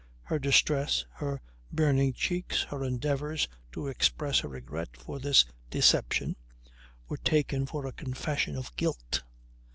Her distress, her burning cheeks, her endeavours to express her regret for this deception were taken for a confession of guilt.